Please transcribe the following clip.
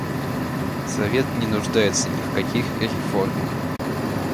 Совет не нуждается ни в каких реформах.